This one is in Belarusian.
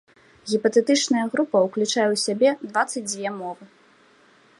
Гіпатэтычная група ўключае ў сябе дваццаць дзве мовы.